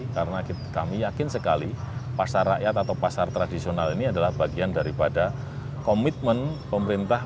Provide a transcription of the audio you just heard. karena kami yakin sekali pasar rakyat atau pasar tradisional ini adalah bagian daripada komitmen pemerintah